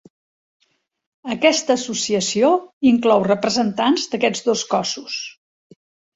Aquesta associació inclou representants d'aquests dos cossos.